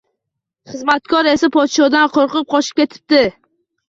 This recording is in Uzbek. Xizmatkor esa podshodan qo‘rqib, qochib ketibdi